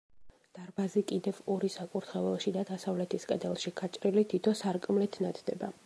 დარბაზი კიდევ ორი, საკურთხეველში და დასავლეთის კედელში გაჭრილი თითო სარკმლით ნათდება.